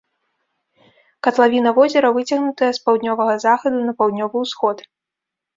Катлавіна возера выцягнутая з паўднёвага захаду на паўднёвы ўсход.